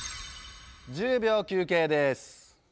１０秒休憩です。